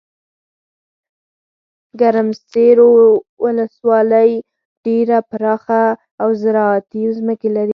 ګرمسیرولسوالۍ ډیره پراخه اوزراعتي ځمکي لري.